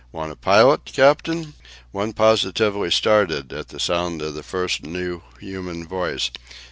"Want a pilot, captain?" One positively started at the sound of the first new human voice.